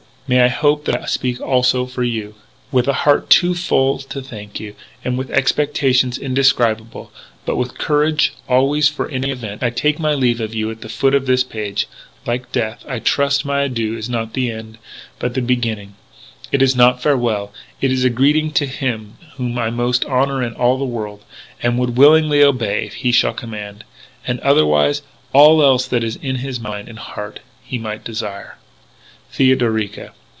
May I hope that I speak, also, for you? "With a heart too full to thank you, and with expectations indescribable but with courage, always, for any event, I take my leave of you at the foot of this page. Like death I trust my adieu is not the end, but the beginning. It is not farewell; it is a greeting to him whom I most honour in all the world.... And would willingly obey if he shall command. And otherwise all else that in his mind and heart he might desire. "THEODORICA."